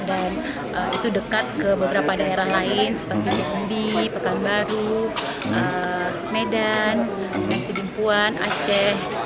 dan itu dekat ke beberapa daerah lain seperti jambi pekanbaru medan masjid impuan aceh